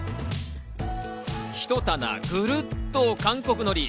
ひと棚ぐるっと韓国海苔。